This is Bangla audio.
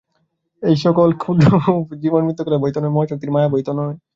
এইসেকল ক্ষুদ্র প্রাণীদের জীবন-মৃত্যু খেলা বৈ তো নয়, মহাশক্তির মায়া বৈ তো নয়।